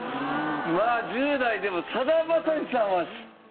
まあ１０代でもさだまさしさんは知ってるやろと。